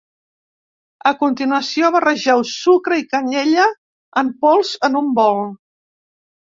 A continuació, barregeu sucre i canyella en pols en un bol.